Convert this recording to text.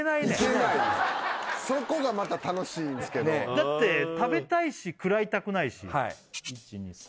そこがまた楽しいんすけどだって食べたいしくらいたくないしはい１２３